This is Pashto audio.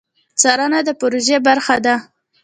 څارنه د پروژې برخه ده